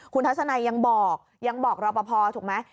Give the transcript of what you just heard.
คุณทัศนัยยังบอกยังบอกรอปภถูกไหม